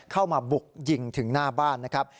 เข้ามาบุกยิงถึงหน้าบ้านนะครับ